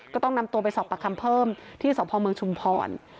ก็ต้องนำตัวไปสอบประคำเพิ่มที่สพเมืองชุมพร